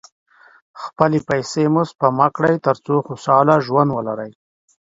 خپلې پیسې مو سپما کړئ، تر څو سوکاله ژوند ولرئ.